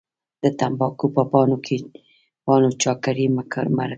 د تمباکو په پاڼو چا کړي مرګونه